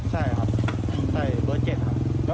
ใช่ครับใส่เบอร์๗ครับ